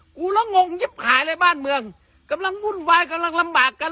กูแล้วงงยิบขายเลยบ้านเมืองกำลังวุ่นวายกำลังลำบากกัน